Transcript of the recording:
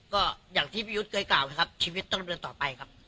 ก็อย่างที่พี่ยุทธ์เคยกล่าวนะครับชีวิตต้องเดินต่อไปครับ